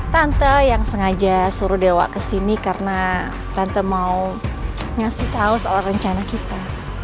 tante yang sengaja suruh dewa kesini karena tante mau ngasih tau soal rencana kita